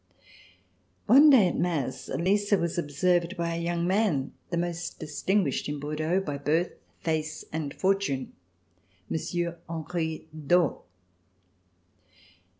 One day at mass Elisa was ob served by a young man, the most distinguished in Bordeaux, by birth, face and fortune: Monsieur Henri d'Aux.